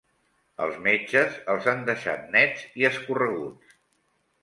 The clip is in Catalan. Els metges els han deixat nets i escorreguts.